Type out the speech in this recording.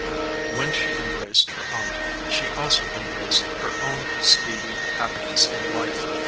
When she em braced her aunt she also embraced her own speedy happiness in life.